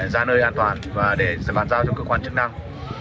ra nơi an toàn và để bàn giao cho cơ quan chức năng